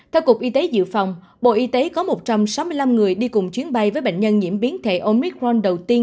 theo cục y tế dự phòng bộ y tế có một trăm sáu mươi năm người đi cùng chuyến bay với bệnh nhân nhiễm biến thể omicron đầu tiên